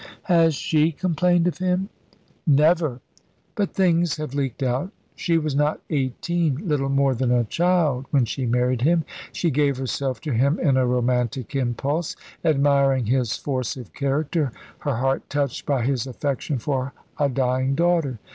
"Has she complained of him?" "Never; but things have leaked out. She was not eighteen little more than a child when she married him. She gave herself to him in a romantic impulse, admiring his force of character, her heart touched by his affection for a dying daughter.